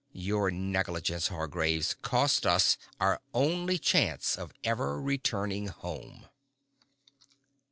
Your negligence, Hargraves, cost us our only chance of ever returning home."